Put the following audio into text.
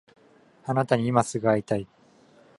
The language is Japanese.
あなたに今すぐ会いたい